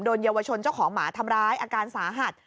เยาวชนเจ้าของหมาทำร้ายอาการสาหัส